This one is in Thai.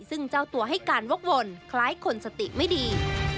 ซึ่งเจ้าตัวให้การวกวนคล้ายคนสติไม่ดี